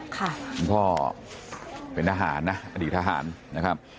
คุณพ่อเป็นทหารนะอดีตทหารนะครับ